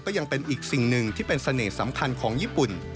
ยังเป็นอีกสิ่งหนึ่งที่เป็นเสน่ห์สำคัญของญี่ปุ่น